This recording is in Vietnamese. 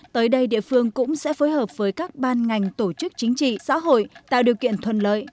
tới đây địa phương cũng sẽ phối hợp với các ban ngành tổ chức chính trị xã hội tạo điều kiện thuận lợi